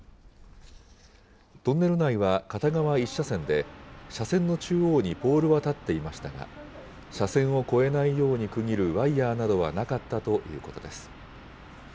トンネル内は片側１車線で、車線の中央にポールは立っていましたが、車線を越えないように区切るワイヤーなどはなかったということです。